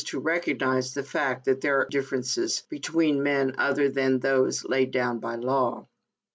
to recognize the fact that there are differences between men other than those laid down by law."